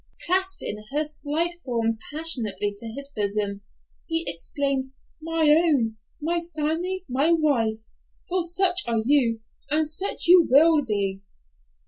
Clasping her slight form passionately to his bosom, he exclaimed, "My own—my Fanny—my wife, for such you are, and such you will be!"